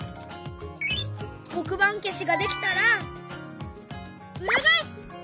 こくばんけしができたらうらがえす！